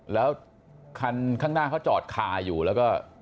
แล้วคันข้างหน้าเขาจอดคาอยู่แล้วก็